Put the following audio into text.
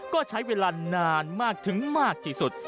ก็ใช้เวลานานมากถึงมากที่สุด